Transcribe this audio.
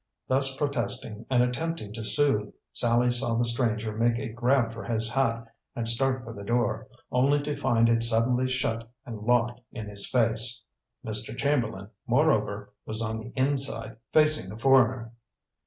Thus protesting and attempting to soothe, Sallie saw the stranger make a grab for his hat and start for the door, only to find it suddenly shut and locked in his face. Mr. Chamberlain, moreover, was on the inside, facing the foreigner.